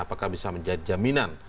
apakah bisa menjadi jaminan